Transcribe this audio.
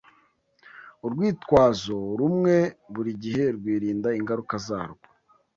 Urwitwazo rumwe burigihe rwirinda ingaruka zarwo